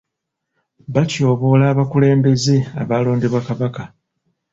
Batyoboola abakulembeze abalondebwa Kabaka.